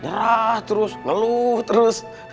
nyerah terus ngeluh terus